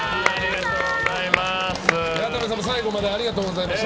谷田部さんも最後までありがとうございました。